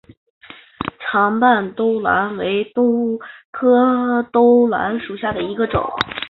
长瓣兜兰为兰科兜兰属下的一个种。